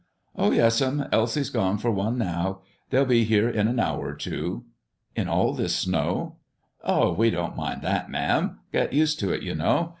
"Oh, yes'm; Elsie's gone for one now. They'll be here in an hour or two." "In all this snow?" "Oh, we don't mind that, ma'am. Get used to it, you know.